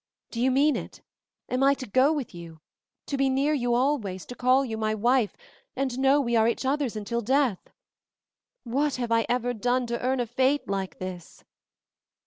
Do you mean it? Am I to go with you? To be near you always, to call you wife, and know we are each other's until death? What have I ever done to earn a fate like this?"